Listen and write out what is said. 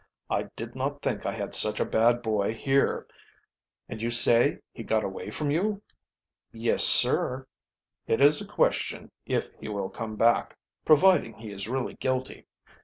"I did not think I had such a bad boy here. And you say he got away from you?" "Yes, sir." "It is a question if he will come back providing he is really guilty.